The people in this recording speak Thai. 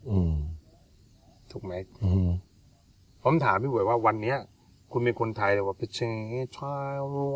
อืมถูกไหมอืมผมถามพี่บ่อยว่าวันนี้คุณเป็นคนไทยแต่ว่า